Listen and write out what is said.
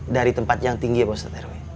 dari tempat yang tinggi ya ustadz rw